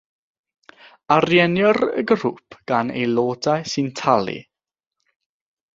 Ariennir y grŵp gan aelodau sy'n talu.